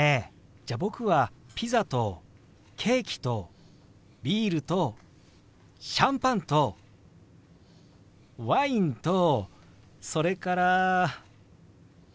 じゃあ僕はピザとケーキとビールとシャンパンとワインとそれから。